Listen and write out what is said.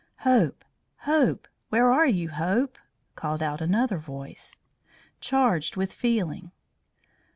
"Hope! Hope! Where are you, Hope?" called out another voice, charged with feeling.